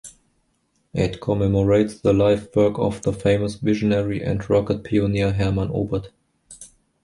It commemorates the life work of the famous visionary and rocket pioneer Hermann Oberth.